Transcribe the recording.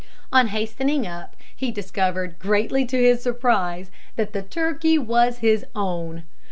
On hastening up, he discovered, greatly to his surprise, that the turkey was his own.